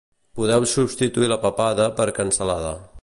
Podeu substituir la papada per cansalada